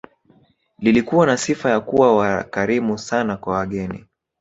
Lilikuwa na sifa ya kuwa wakarimu sana kwa wageni